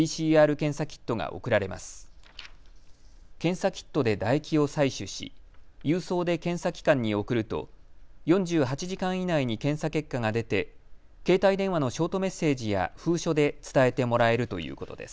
検査キットで唾液を採取し郵送で検査機関に送ると４８時間以内に検査結果が出て携帯電話のショートメッセージや封書で伝えてもらえるということです。